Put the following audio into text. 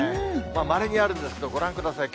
まれにあるんですけど、ご覧ください。